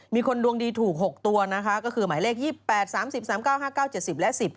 มีคนดวงดีถูก๖ตัวนะคะก็คือหมายเลข๒๘๓๐๓๙๕๙๗๐และ๑๐